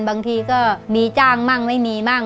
บางทีก็มีจ้างมั่งไม่มีมั่ง